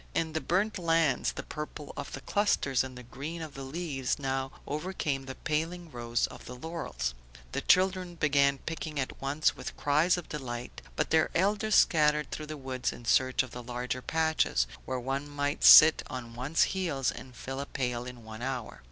In the burnt lands the purple of the clusters and the green of the leaves now overcame the paling rose of the laurels. The children began picking at once with cries of delight, but their elders scattered through the woods in search of the larger patches, where one might sit on one's heels and fill a pail in an hour.